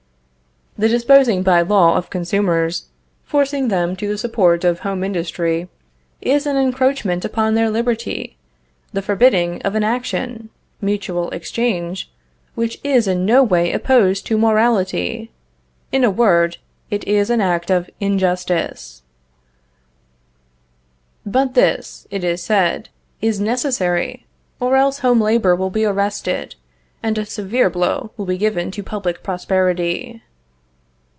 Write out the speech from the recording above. The disposing by law of consumers, forcing them to the support of home industry, is an encroachment upon their liberty, the forbidding of an action (mutual exchange) which is in no way opposed to morality! In a word, it is an act of injustice. But this, it is said, is necessary, or else home labor will be arrested, and a severe blow will be given to public prosperity.